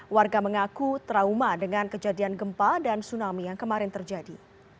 warga mengaku trauma dengan kejadian gempa dan tsunami yang kemarin terjadi